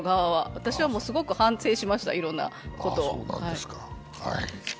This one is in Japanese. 私はすごく反省しました、いろんなことを。